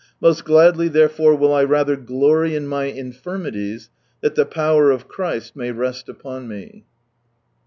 Most gladly therefore will I rather glory in my infirmities, that the power of Christ may rest upon rae."